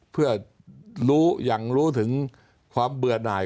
เพื่อรู้อย่างรู้ถึงความเบื่อหน่าย